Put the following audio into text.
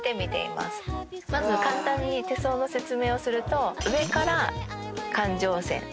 まず簡単に手相の説明をすると。